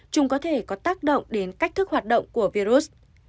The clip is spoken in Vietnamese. chúng có thể có tác động đến cách thức hoạt động của virus